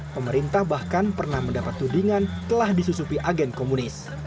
pemerintah bahkan pernah mendapat tudingan telah disusupi agen komunis